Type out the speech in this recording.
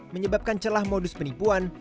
menyebabkan celah modus penipuan